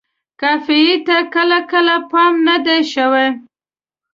قافیې ته یې کله کله پام نه دی شوی.